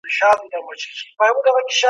ماشومان باید په لوبو کې فعاله پاتې شي.